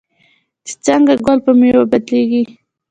چې څنګه ګل په میوه بدلیږي.